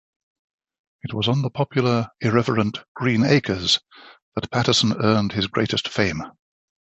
It was on the popular, irreverent "Green Acres" that Patterson earned his greatest fame.